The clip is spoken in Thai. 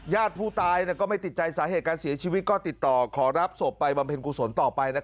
ญาติผู้ตายก็ไม่ติดใจสาเหตุการเสียชีวิตก็ติดต่อขอรับศพไปบำเพ็ญกุศลต่อไป